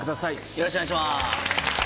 よろしくお願いします。